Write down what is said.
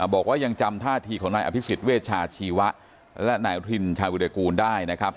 บอกว่ายังจำท่าทีของนายอภิษฎเวชาชีวะและนายอุทินชาวิรกูลได้นะครับ